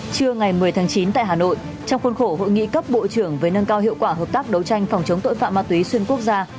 trưa ngày một mươi tháng chín tại hà nội trong khuôn khổ hội nghị cấp bộ trưởng về nâng cao hiệu quả hợp tác đấu tranh phòng chống tội phạm ma túy xuyên quốc gia